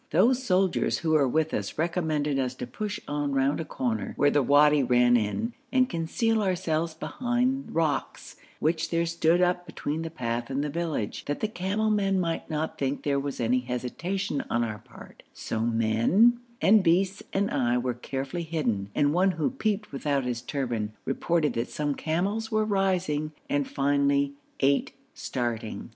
Those soldiers who were with us recommended us to push on round a corner, where the wadi ran in, and conceal ourselves behind rocks, which there stood up between the path and the village, that the camel men might not think there was any hesitation on our part; so men, and beasts, and I were carefully hidden, and one who peeped without his turban, reported that some camels were rising, and finally, eight starting.